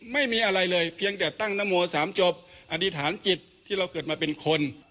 ไม่มีอะไรเลยเพียงแต่ตั้งนโมสามจบอธิษฐานจิตที่เราเกิดมาเป็นคน